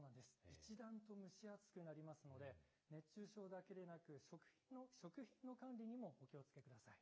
一段と蒸し暑くなりますので、熱中症だけでなく、食品の管理にもお気をつけください。